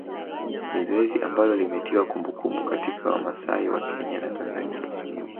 Ni zoezi ambalo limetiwa kumbukumbu katika Wamasai wa Kenya na Tanzania